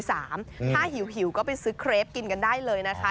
ถ้าหิวก็ไปซื้อเครปกินกันได้เลยนะคะ